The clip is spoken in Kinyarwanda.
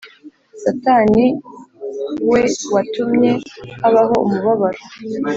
Sataniwe watumye habaho umubabaro